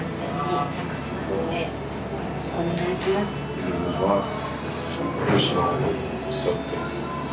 よろしくお願いします